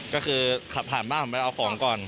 ก็คือขับผ่านบ้านผมไปเอาของก่อน